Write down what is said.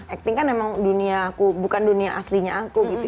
acting kan emang dunia aku bukan dunia aslinya aku gitu